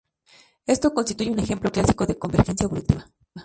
Esto constituye un ejemplo clásico de convergencia evolutiva.